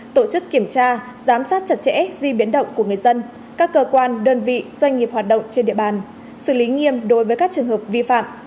tổ chức kiểm tra giám sát chặt chẽ di biến động của người dân các cơ quan đơn vị doanh nghiệp hoạt động trên địa bàn xử lý nghiêm đối với các trường hợp vi phạm